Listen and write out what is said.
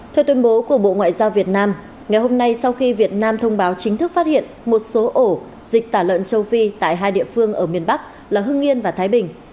theo tuyên bố của bộ ngoại giao việt nam ngày hôm nay sau khi việt nam thông báo chính thức phát hiện một số ổ dịch tả lợn châu phi tại hai địa phương ở miền bắc là hưng yên và thái bình